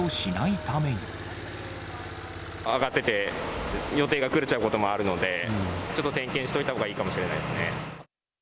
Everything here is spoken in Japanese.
上がってて、予定が狂っちゃうこともあるので、ちょっと点検しておいたほうがいいかもしれないですね。